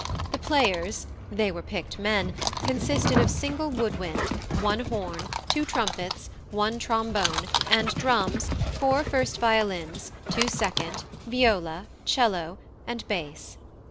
The players they were picked men consisted of single wood wind, one horn, two trumpets, one trombone, and drums, four first violins, two second, viola, 'cello, and bass.